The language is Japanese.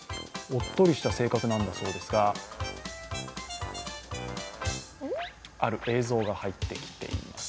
おっとりした性格なんだそうですが、ある映像が入ってきています